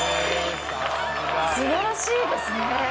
すばらしいですね。